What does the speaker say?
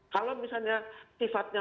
kalau misalnya sifatnya